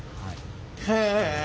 へえ。